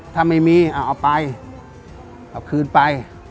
ถ้าไม่มีเอาไปเอาคืนไป